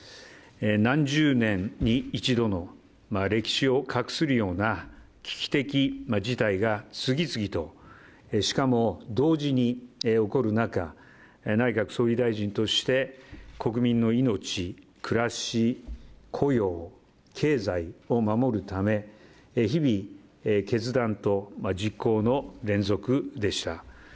何十年に一度の歴史をかくするような危機的事態が次々と、しかも同時に起こる中、内閣総理大臣として、国民の命、暮らし、雇用、経済を守るため日々、決断と実行の連続でした。